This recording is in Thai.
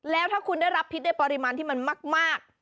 แล้วถ้าคุณได้รับพิษในปริมาณที่มันมาก